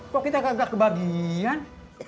kok kita gak kebagian